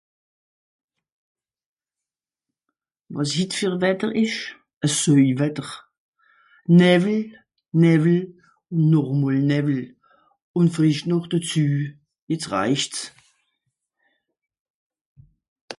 Wàs hitt fer Wetter ìsch ? E Söiwetter, Näwwel, Näwwel, ùn noch e mol Näwwel. Ùn frìsch noch dezü. Jetz reicht's.